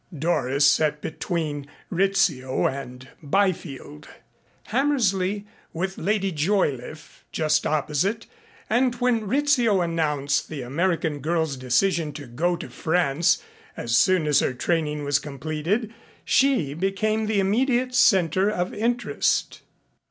Doris sat between Rizzio and Byfield, Hammersley with Lady Joyliffe just opposite, and when Rizzio announced the American girl's decision to go to France as soon as her training was completed she became the immediate center of interest.